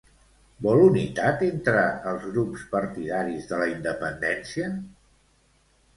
Vol unitat entre els grups partidaris de la independència?